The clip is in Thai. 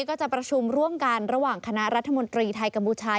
ก็จะประชุมร่วมกันระหว่างคณะรัฐมนตรีไทยกัมพูชา